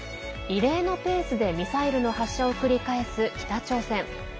異例のペースでミサイルの発射を繰り返す北朝鮮。